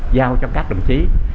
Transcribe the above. giao cho các đồng chí